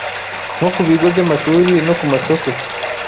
nko ku bigo by’amashuri no ku masoko